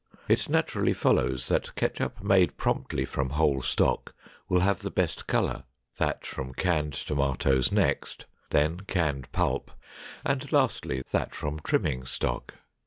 It naturally follows that ketchup made promptly from whole stock will have the best color, that from canned tomatoes next, then canned pulp, and lastly, that from trimming stock.